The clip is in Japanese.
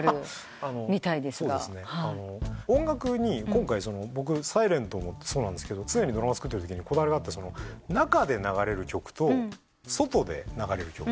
今回『ｓｉｌｅｎｔ』もそうなんですけど常にドラマ作ってるときにこだわりがあって中で流れる曲と外で流れる曲。